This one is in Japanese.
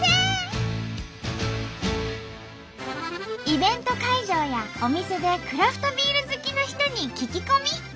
イベント会場やお店でクラフトビール好きの人に聞き込み！